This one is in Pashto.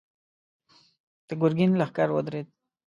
د ګرګين لښکر ودرېد.